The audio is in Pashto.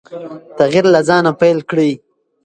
تغیر له ځانه پیل کړئ.